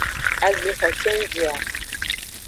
Agbexo cenji a.